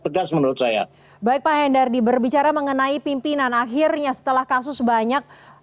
tegas menurut saya baik pak hendardi berbicara mengenai pimpinan akhirnya setelah kasus banyak